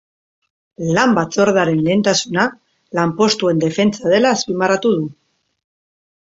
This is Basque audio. Lan batzordearen lehentasuna, lanpostuen defentsa dela azpimarratu du.